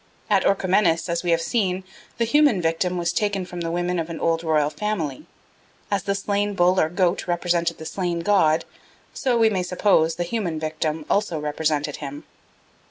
At Orchomenus, as we have seen, the human victim was taken from the women of an old royal family. As the slain bull or goat represented the slain god, so, we may suppose, the human victim also represented him.